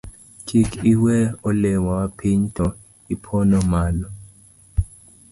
Kik iwe olemo mapiny to iponoma malo